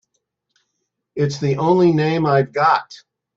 It's the only name I've got.